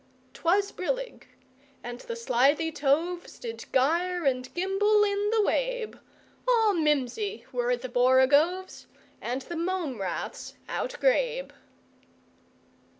'T was brillig, and the slithy tovesDid gyre and gimble in the wabe; All mimsy were the borogoves, And the mome raths outgrabe.